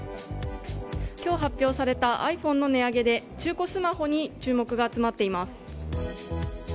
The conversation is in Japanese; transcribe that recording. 今日発表されたｉＰｈｏｎｅの値上げで中古スマホに注目が集まっています。